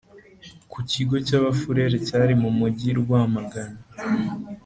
ku kigo cy’abafurere cyari mu mugi i Rwamagana